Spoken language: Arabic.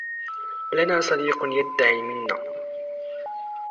لنا صديق يدعي منة